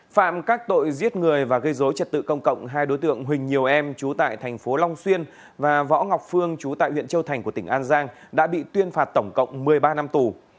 phạm các tội giết người và gây dối trật tự công cộng hai đối tượng huỳnh nhiều em trú tại thành phố long xuyên và võ ngọc phương chú tại huyện châu thành của tỉnh an giang đã bị tuyên phạt tổng cộng một mươi ba năm tù